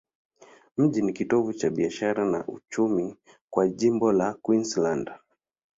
Mji ni kitovu cha biashara na uchumi kwa jimbo la Queensland.